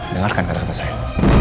dengarkan kata kata saya